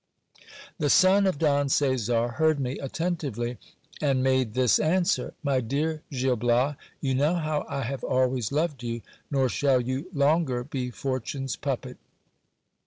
The son of Don Caesar heard me attentively, and made this answer : My dear Gil Bias, you know how I have always loved you ; nor shall you longer be fortune's puppet.